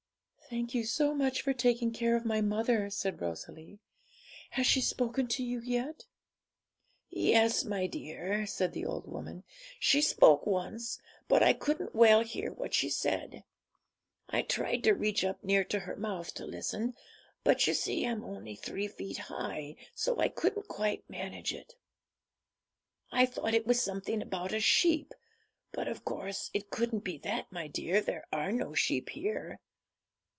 'Thank you so much for taking care of my mother,' said Rosalie; 'has she spoken to you yet?' 'Yes, my dear,' said the old woman; 'she spoke once, but I couldn't well hear what she said. I tried to reach up near to her mouth to listen; but you see I'm only three feet high, so I couldn't quite manage it. I thought it was something about a sheep, but of course it couldn't be that, my dear; there are no sheep here.'